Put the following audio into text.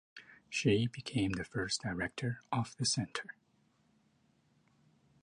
She became the first director of the centre.